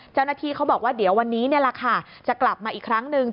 เจ้าหน้าที่เขาบอกว่าเดี๋ยววันนี้นี่แหละค่ะจะกลับมาอีกครั้งหนึ่ง